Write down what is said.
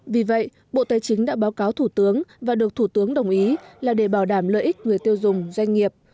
vì vậy bộ tài chính đã báo cáo thủ tướng và được thủ tướng đồng ý là để bảo đảm lợi ích người tiêu dùng doanh nghiệp